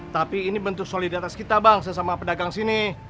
tapi ini bentuk solidaritas kita bang sesama pedagang sini